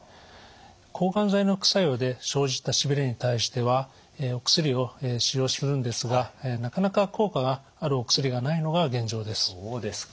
抗がん剤の副作用で生じたしびれに対してはお薬を使用するんですがなかなか効果があるお薬がないのが現状です。